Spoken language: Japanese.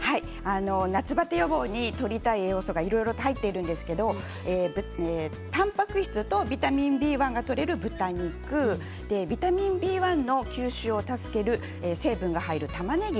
夏バテ予防にとりたい栄養素がいろいろ入っているんですけれどもたんぱく質とビタミンＢ１がとれる豚肉ビタミンＢ１の吸収を助ける成分が入るたまねぎ